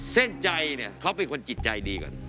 เส้นใจเนี่ยเขาเป็นคนจิตใจดีก่อน